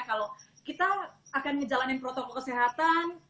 kalau kita akan ngejalanin protokol kesehatan